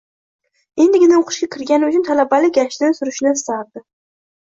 Endigina o`qishga kirgani uchun talabalik gashtini surishni istardi